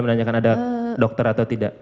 menanyakan ada dokter atau tidak